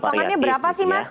potongannya berapa sih mas